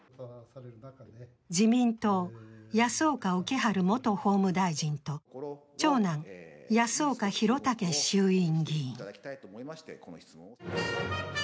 自民党・保岡興治元法務大臣と長男・保岡宏武衆院議員。